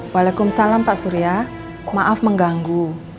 waalaikumsalam pak surya maaf mengganggu